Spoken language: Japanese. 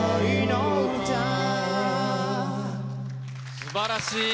すばらしい。